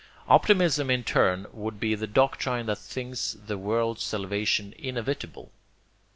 Optimism in turn would be the doctrine that thinks the world's salvation inevitable.